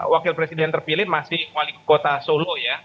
wakil presiden terpilih masih wali kota solo ya